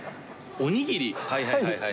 おにぎり？